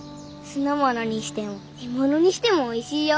酢の物にしても煮物にしてもおいしいよ！